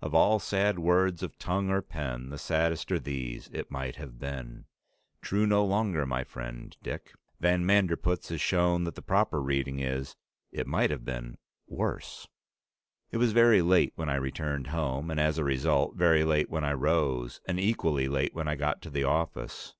'Of all sad words of tongue or pen, the saddest are these: It might have been!' True no longer, my friend Dick. Van Manderpootz has shown that the proper reading is, 'It might have been worse!'" It was very late when I returned home, and as a result, very late when I rose, and equally late when I got to the office.